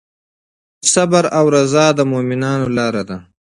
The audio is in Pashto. صبر او رضا د مؤمنانو لاره ده.